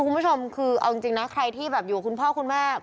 คุณผู้ชมคือเอาจริงนะใครที่แบบอยู่กับคุณพ่อคุณแม่